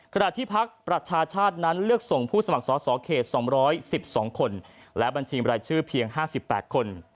ขณะที่พักประชาชาตินั้นเลือกส่งผู้สมัครสอสอเขต๒๑๒คนและบัญชีบรายชื่อเพียง๕๘คน